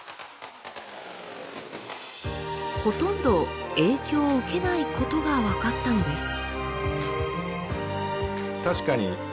ほとんど影響を受けないことが分かったのです。